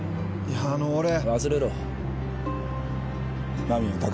あの俺は。